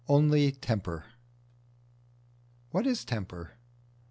ONLY TEMPER. What is temper?